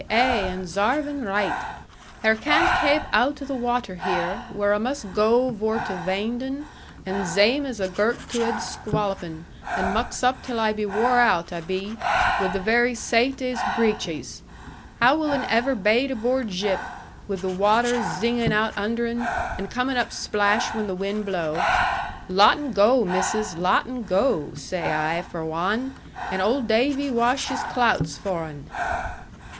ay and zarve un raight. Her can't kape out o' the watter here, whur a' must goo vor to vaind un, zame as a gurt to ad squalloping, and mux up till I be wore out, I be, wi' the very saight of 's braiches. How wil un ever baide aboard zhip, wi' the watter zinging out under un, and comin' up splash when the wind blow. Latt un goo, missus, latt un goo, zay I for wan, and old Davy wash his clouts for un.'